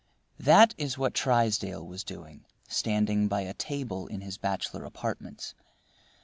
That is what Trysdale was doing, standing by a table in his bachelor apartments.